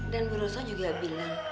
dan bro so juga bilang